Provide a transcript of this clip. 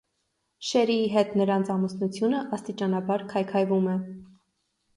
Շերիի հետ նրանց ամուսնությունը աստիճանաբար քայքայվում է։